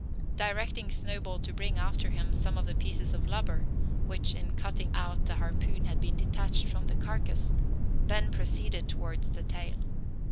Directing Snowball to bring after him some of the pieces of blubber, which, in cutting out the harpoon, had been detached from the carcass, Ben proceeded towards the tail.